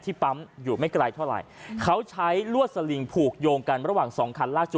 ปั๊มอยู่ไม่ไกลเท่าไหร่เขาใช้ลวดสลิงผูกโยงกันระหว่างสองคันล่าสุด